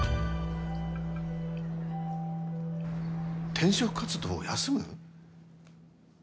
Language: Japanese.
転職活動を休む？